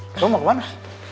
kamu mau kemana